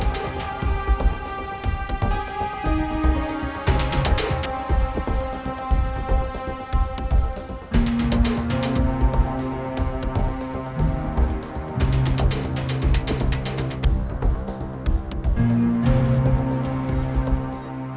saya tidak tahu